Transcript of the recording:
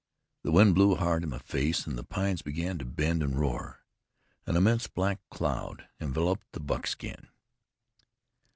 The wind blew hard in my face, and the pines began to bend and roar. An immense black cloud enveloped Buckskin.